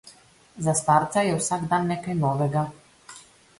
Za starca je vsak dan nekaj novega.